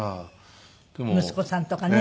息子さんとかね。